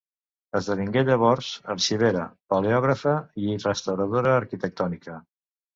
Esdevingué llavors arxivera, paleògrafa, i restauradora arquitectònica.